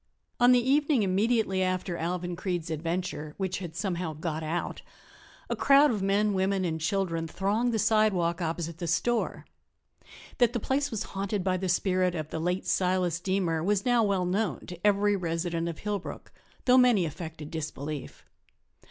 On the evening immediately after Alvan Creede's adventure (which had somehow "got out") a crowd of men, women and children thronged the sidewalk opposite the store. That the place was haunted by the spirit of the late Silas Deemer was now well known to every resident of Hillbrook, though many affected disbelief.